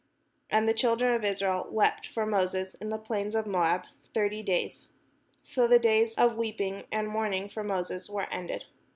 And the children of Israel wept for Moses in the plains of Moab thirty days : so the days of weeping and mourning for Moses were ended.